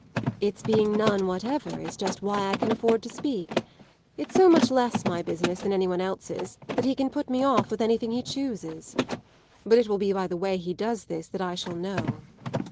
"It's being none whatever is just why I can afford to speak. It's so much less my business than any one's else that he can put me off with anything he chooses. But it will be by the way he does this that I shall know."